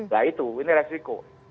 nah itu ini resiko